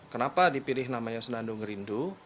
kenapa dipilih namanya senandung rindu